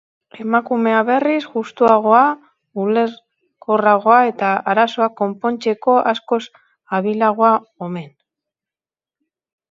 Emakumea berriz, justuagoa, ulerkorragoa eta arazoak konpontzeko askoz habilagoa omen.